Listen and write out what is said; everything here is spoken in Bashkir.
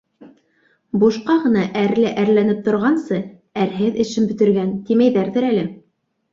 Бушҡа ғына, әрле әрләнеп торғансы, әрһеҙ эшен бөтөргән, тимәйҙәрҙер әле.